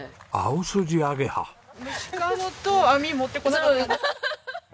虫かごと網持ってこなかった。